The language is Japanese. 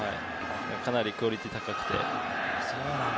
かなりクオリティー高くて。